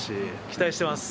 期待してます！